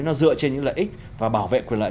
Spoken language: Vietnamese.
nó dựa trên những lợi ích và bảo vệ quyền lợi